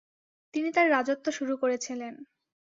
তিনি তাঁর রাজত্ব শুরু করেছিলেন।